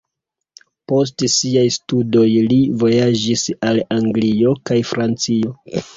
Post siaj studoj, li vojaĝis al Anglio kaj Francio.